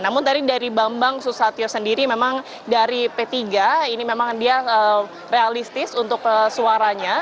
namun tadi dari bambang susatyo sendiri memang dari p tiga ini memang dia realistis untuk suaranya